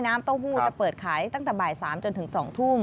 เต้าหู้จะเปิดขายตั้งแต่บ่าย๓จนถึง๒ทุ่ม